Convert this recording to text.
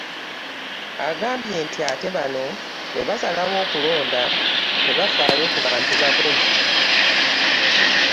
Agambye nti ate bano bwe basalawo okulonda tebafaayo ku bantu bakozi